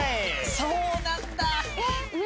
そうなんだ！